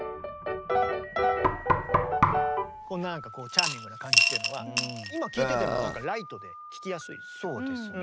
こんななんかチャーミングな感じっていうのは今聴いててもなんかライトで聴きやすいですよね。